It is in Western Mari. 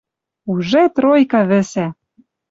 Уже тройка вӹсӓ!